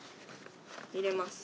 入れます。